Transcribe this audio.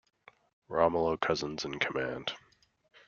Romolo Cousins in command.